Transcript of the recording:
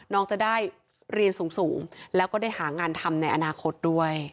น้องจะได้เรียนสูงแล้วก็ได้หางานทำในอนาคตด้วย